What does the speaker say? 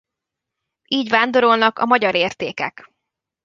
Így vándorolnak a magyar értékek!